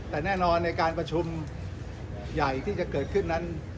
แต่แน่นอนในการประชุมใหญ่ที่จะเกิดขึ้นนั้น